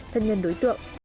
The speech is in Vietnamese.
thân nhân đối tượng